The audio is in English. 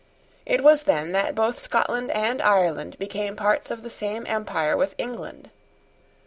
It was then that both Scotland and Ireland became parts of the same empire with England.